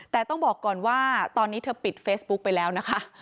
แต่ต้องบอกก่อนว่าตอนนี้เธอปิดเฟซบุ๊กไปแล้วนะคะ